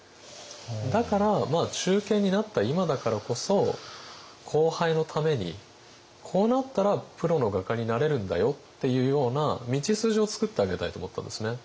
だから中堅になった今だからこそ後輩のためにこうなったらプロの画家になれるんだよっていうような道筋をつくってあげたいと思ったんですね。